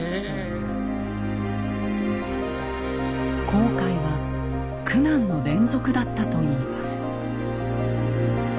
航海は苦難の連続だったといいます。